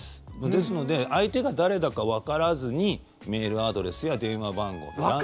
ですので相手が誰だかわからずにメールアドレスや電話番号ランダム。